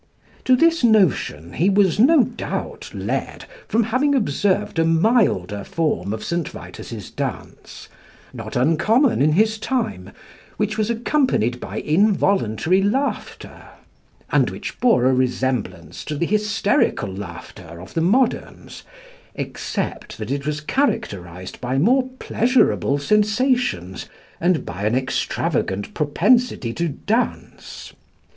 To this notion he was, no doubt, led from having observed a milder form of St. Vitus's dance, not uncommon in his time, which was accompanied by involuntary laughter; and which bore a resemblance to the hysterical laughter of the moderns, except that it was characterised by more pleasurable sensations and by an extravagant propensity to dance.